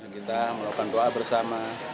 kita melakukan doa bersama